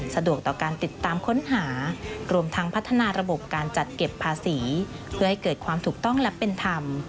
สะดวกต่อการติดตามค้นหารวมทั้งพัฒนาระบบการจัดเก็บภาษีเพื่อให้เกิดความถูกต้องและเป็นธรรม